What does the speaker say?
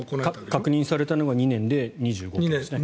確認されたのは２年で２２件ですね。